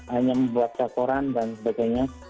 hanya membuat laporan dan sebagainya